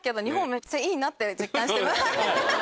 めちゃいいって実感します。